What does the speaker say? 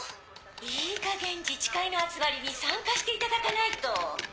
いいかげん自治会の集まりに参加していただかないと。